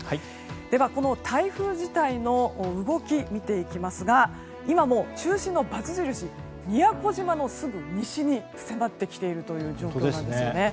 ではこの台風自体の動きを見ていきますが今も中心の×印宮古島のすぐ西に迫ってきているという状況なんですよね。